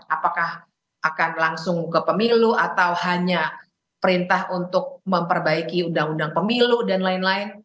apakah akan langsung ke pemilu atau hanya perintah untuk memperbaiki undang undang pemilu dan lain lain